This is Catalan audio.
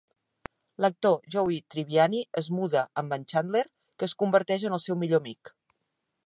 L'actor Joey Tribbiani es muda amb en Chandler, que es converteix en el seu millor amic.